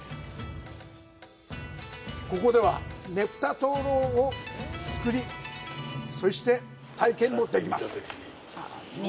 ここでは、ねぷた灯ろう作りも体験できます！